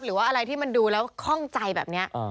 หรือว่าอะไรที่มันดูแล้วคล่องใจแบบนี้